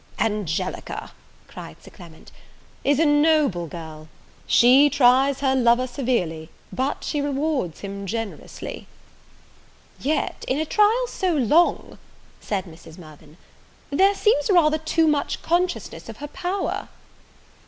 "Angelica," cried Sir Clement, "is a noble girl; she tries her lover severely, but she rewards him generously." "Yet, in a trial so long," said Mrs. Mirvan, "there seems rather too much consciousness of her power."